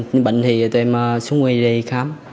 những bệnh thì tụi em xuống quân y đi khám